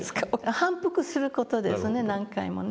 反復する事ですね何回もね。